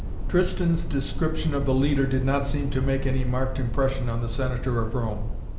Tristan's description of the leader did not seem to make any marked impression on the Senator of Rome.